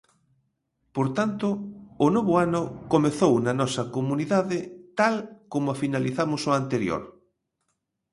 Por tanto, o novo ano comezou na nosa comunidade tal como finalizamos o anterior.